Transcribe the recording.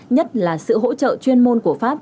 nhất là sự hỗ trợ chuyên môn của pháp